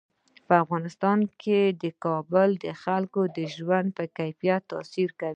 په افغانستان کې کابل د خلکو د ژوند په کیفیت تاثیر کوي.